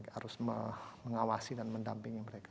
harus mengawasi dan mendampingi mereka